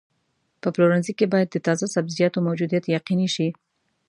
په پلورنځي کې باید د تازه سبزیجاتو موجودیت یقیني شي.